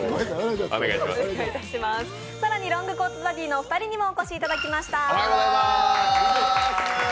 更にロングコートダディのお二人にもお越しいただきました。